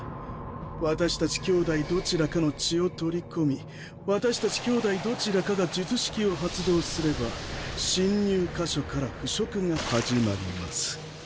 私たち兄弟どちらかの血を取り込み私たち兄弟どちらかが術式を発動すれば侵入箇所から腐蝕が始まります。